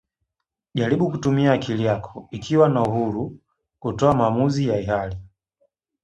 Jaribu kutumia akili yako ikiwa na uhuru kutoa maamuzi ya hili